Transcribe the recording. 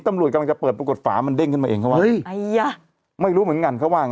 ตำรวจกำลังจะเปิดปรากฏฝามันเด้งขึ้นมาเองเขาว่า